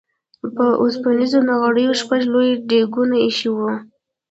په اوسپنيزو نغريو شپږ لوی ديګونه اېښي وو.